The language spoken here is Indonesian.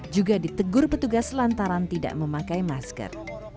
juga ditegur petugas lantaran tidak memakai masker